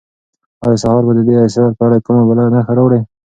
آیا سهار به د دې اسرار په اړه کومه بله نښه راوړي؟